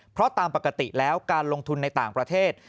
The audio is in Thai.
เพราะตามปกติแล้วการลงทุนในต่างประเทศ